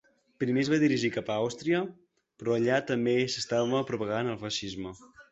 Primer es va dirigir cap a Àustria, però allà també s'estava propagant el feixisme.